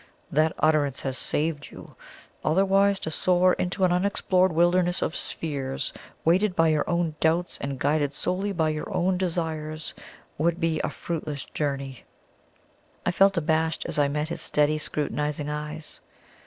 That utterance has saved you otherwise to soar into an unexplored wilderness of spheres, weighted by your own doubts and guided solely by your own wild desires, would be a fruitless journey." I felt abashed as I met his steady, scrutinizing eyes.